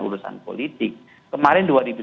urusan politik kemarin